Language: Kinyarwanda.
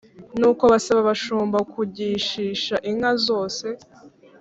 Nuko basaba abashumba kugishisha inka zose